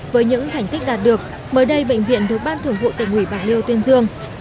với những thành tích đạt được mới đây bệnh viện được ban thường vụ tỉnh ủy bạc liêu tuyên dương